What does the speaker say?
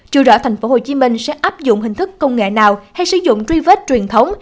trừ rõ tp hcm sẽ áp dụng hình thức công nghệ nào hay sử dụng truy vết truyền thống